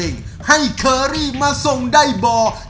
นิดหน่อยครับ